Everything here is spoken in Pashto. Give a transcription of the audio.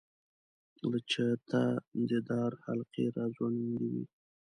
له چته د دار حلقې را ځوړندې وې.